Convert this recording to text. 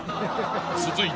［続いて］